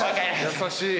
優しい。